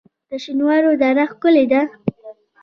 د شینوارو دره ښکلې ده